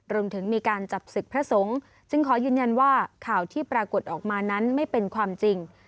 รวมถึงมีการจับศึกพระสงฆ์จึงขอยืนยันว่าข่าวที่ปรากฏออกมานั้นไม่เป็นความจริง